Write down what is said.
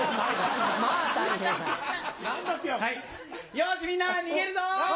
よしみんな逃げるぞ！